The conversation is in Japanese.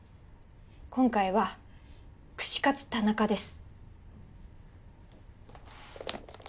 今回は串カツ田中です。